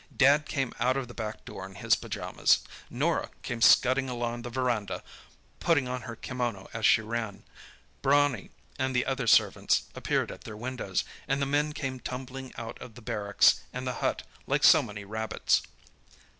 Dad came out of the back door in his pyjamas, Norah came scudding along the verandah, putting on her kimono as she ran, Brownie and the other servants appeared at their windows, and the men came tumbling out of the barracks and the hut like so many rabbits.